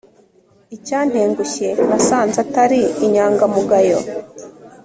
Icyantengushye nasanze atari inyangamugayo